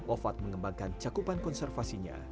ofat mengembangkan cakupan konservasinya